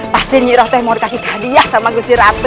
pasti iroh mau dikasih hadiah sama kusiratu